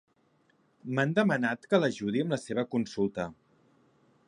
M'han demanat que l'ajudi amb la seva consulta.